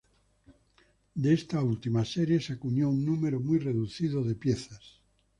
De esta última serie se acuñó un número muy reducido de piezas.